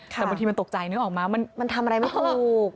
แต่บางทีมันตกใจมันทำอะไรไม่ถูก